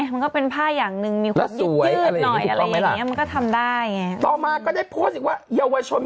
มันเป็นผ้าอย่างนึงสวย